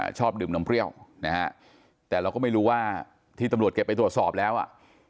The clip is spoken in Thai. ชอบดื่มน้ำเปรี้ยวนะฮะแต่เราก็ไม่รู้ว่าที่ตำรวจเก็บไปตรวจสอบแล้วอ่ะ